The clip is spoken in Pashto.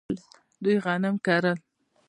دوی غنم کرل.